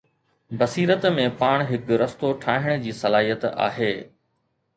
بصيرت ۾ پڻ هڪ رستو ٺاهڻ جي صلاحيت آهي.